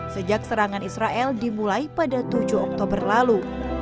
sejak serangan israel dimulai pada tujuh oktober lalu